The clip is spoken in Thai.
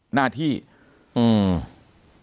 หน้าที่อืม